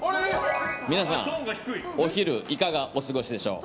皆さん、お昼いかがお過ごしでしょう。